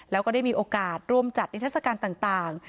แล้วก็ได้มีโอกาสร่วมจัดนิทัศกาลต่าง